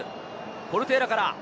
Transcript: ポルテーラから。